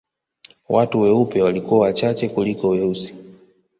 Watu weupe walikuwa wachache kuliko weusi